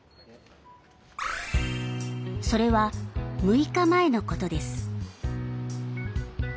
それは６日前のことです。